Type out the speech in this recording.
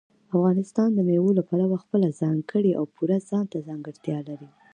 افغانستان د مېوو له پلوه خپله ځانګړې او پوره ځانته ځانګړتیا لري.